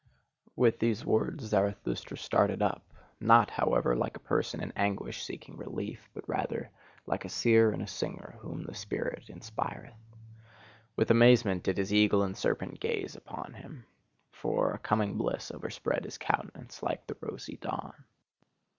With these words Zarathustra started up, not however like a person in anguish seeking relief, but rather like a seer and a singer whom the spirit inspireth. With amazement did his eagle and serpent gaze upon him: for a coming bliss overspread his countenance like the rosy dawn.